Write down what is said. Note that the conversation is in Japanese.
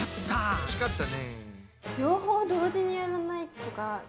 惜しかったね。